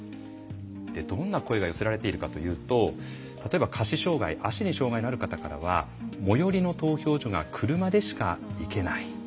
どんな声が寄せられているかというと例えば、下肢障害足に障害がある方からは最寄りの投票所が車でしか行けない。